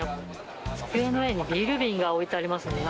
机の上にビール瓶が置いてありますね。